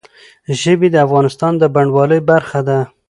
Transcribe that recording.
ژبې د افغانستان د بڼوالۍ برخه ده.